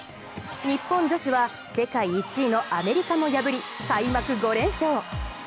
日本女子は世界１位のアメリカを破り、開幕５連勝。